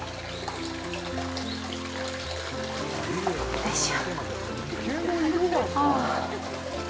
よいしょ。